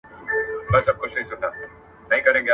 عدالت تر ډوډۍ ډېر ارزښت لري.